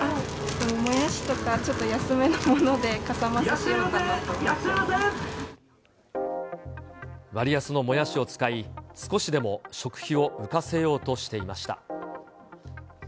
もやしとか、ちょっと安めのもので、割安のもやしを使い、少しでも食費を浮かせようとしていました。